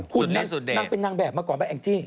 สุดดีขุดนั่งเป็นนางแบบมาก่อนไหมแองจี